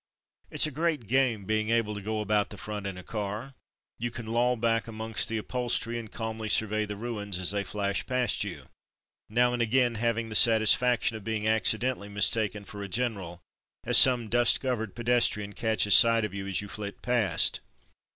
It's a great game, being able to go about the front in a car — you can loll back amongst the upholstery, and calmly survey the ruins as they flash past you; now and again having the satisfaction of being accidentally mis taken for a general, as some dust covered pedestrian catches sight of you as you 122 From Mud to Mufti flit past.